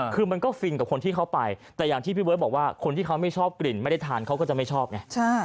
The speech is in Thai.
คือมันก็ฟินกับคนที่เขาไปแต่อย่างที่พี่เบิร์ตบอกว่าคนที่เขาไม่ชอบกลิ่นไม่ได้ทานเขาก็จะไม่ชอบไง